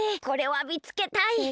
これはみつけたい！